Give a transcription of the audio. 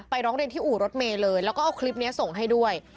ร้องเรียนที่อู่รถเมย์เลยแล้วก็เอาคลิปนี้ส่งให้ด้วย